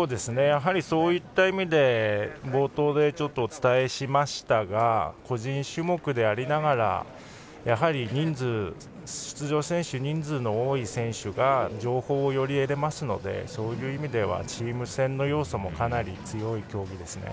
やはり、そういった意味で冒頭でお伝えしましたが個人種目でありながら、やはり出場選手、人数の多い選手が情報をより得られますのでそういう意味ではチーム戦の要素もかなり強い競技ですね。